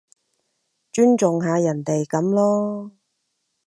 尊重下人哋噉囉